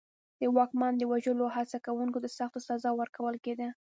د واکمن د وژلو هڅه کوونکي ته سخته سزا ورکول کېده.